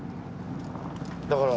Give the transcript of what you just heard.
だから。